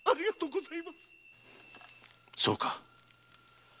そうか。